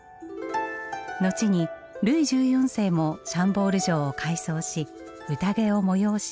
後にルイ１４世もシャンボール城を改装しうたげを催し